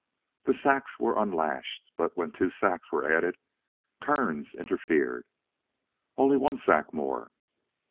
The sacks were unlashed, but when two sacks were added, Kearns interfered. "Only one sack more."